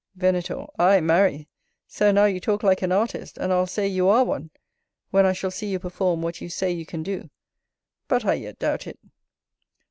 Venator. Ay, marry! Sir, now you talk like an artist, and I'll say you are one, when I shall see you perform what you say you can do: but I yet doubt it.